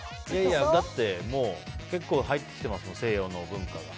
だって、結構入ってきてますよ西洋の文化が。